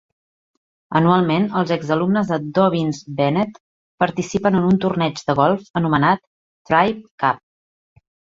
Anualment, els ex-alumnes de Dobyns-Bennett participen en un torneig de golf anomenat "Tribe Cup".